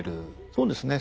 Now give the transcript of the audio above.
そうですね。